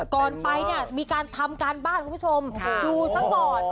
ก่อนไปเนี่ยมีการทำการบ้านคุณผู้ชมดูซะก่อน